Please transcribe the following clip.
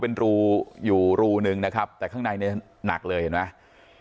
เป็นรูอยู่รูหนึ่งนะครับแต่ข้างในเนี่ยหนักเลยเห็นไหม